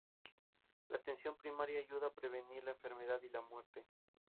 La atención primaria ayuda a prevenir la enfermedad y la muerte.